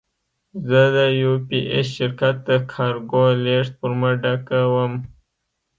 زه د یو پي ایس شرکت د کارګو لېږد فورمه ډکوم.